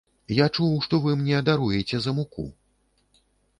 Я чуў, што вы мне даруеце за муку.